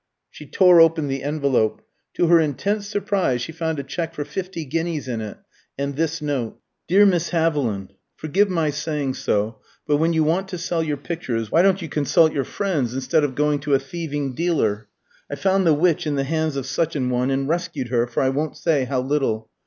She tore open the envelope. To her intense surprise she found a cheque for fifty guineas in it, and this note: "DEAR MISS HAVILAND, Forgive my saying so, but when you want to sell your pictures, why don't you consult your friends instead of going to a thieving dealer? I found the Witch in the hands of such an one, and rescued her, for I won't say how little.